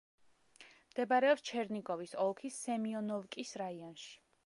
მდებარეობს ჩერნიგოვის ოლქის სემიონოვკის რაიონში.